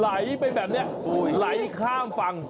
ไหลไปแบบนี้ไหลข้ามฝั่ง